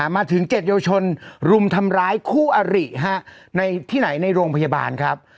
มาถึง๗เยาวชนรุมทำร้ายคู่อริในที่ไหนในโรงพยาบาลครับ